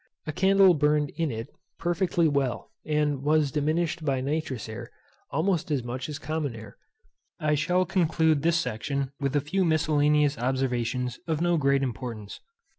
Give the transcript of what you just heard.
A candle burned in it perfectly well, and it was diminished by nitrous air almost as much as common air. I shall conclude this section with a few miscellaneous observations of no great importance.